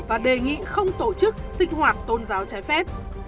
và đề nghị không tổ chức sinh hoạt tôn giáo trái phép